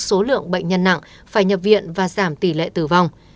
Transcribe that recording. số lượng bệnh nhân nặng phải nhập viện và giảm tỷ lệ tử vong